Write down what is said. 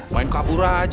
main kabur aja